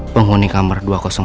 penghuni kamar dua ratus dua